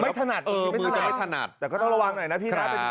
ไม่ถนัดเออมือจะให้ถนัดแต่ก็ต้องระวังหน่อยนะพี่น่าเป็น